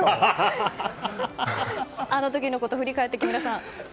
あの時のことを振り返って木村さん。